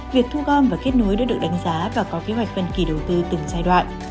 việc thu gom và kết nối đã được đánh giá và có kế hoạch phân kỳ đầu tư từng giai đoạn